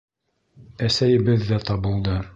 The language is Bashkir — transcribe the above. — Әсәйебеҙ ҙә табылды.